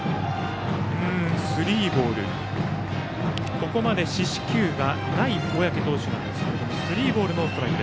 ここまで四死球がない小宅投手ですがスリーボールノーストライク。